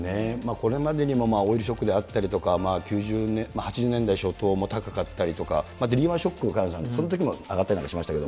これまでにもオイルショックであったりとか、８０年代初頭も高かったりとか、リーマンショックも萱野さん、そのときも上がったりなんかしましたけど。